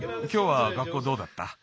きょうは学校どうだった？